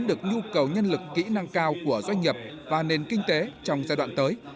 được nhu cầu nhân lực kỹ năng cao của doanh nghiệp và nền kinh tế trong giai đoạn tới